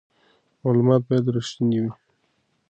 معلومات باید رښتیني وي.